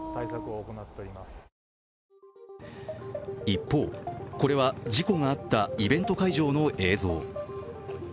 一方、これは事故があったイベント会場の映像。